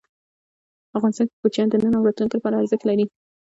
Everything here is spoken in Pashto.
افغانستان کې کوچیان د نن او راتلونکي لپاره ارزښت لري.